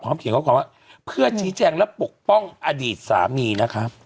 เขียนข้อความว่าเพื่อชี้แจงและปกป้องอดีตสามีนะครับ